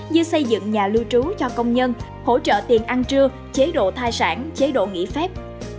như xây dựng nhà lưu trú cho công nhân hỗ trợ tiền ăn trưa chế độ thai sản chế độ nghỉ phép